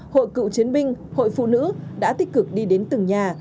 hội cựu chiến binh hội phụ nữ đã tích cực đi đến từng nhà